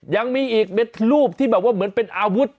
ยังมีอีกเม็ดรูปที่แบบว่าเหมือนเป็นอาวุธ